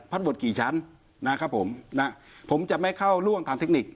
บทกี่ชั้นนะครับผมนะผมจะไม่เข้าล่วงทางเทคนิค